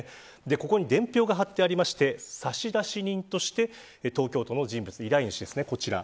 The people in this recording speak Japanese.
ここに伝票が貼ってありまして差出人として東京都の人物依頼主ですね。